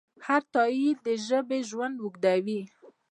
هر تایید د ژبې ژوند اوږدوي.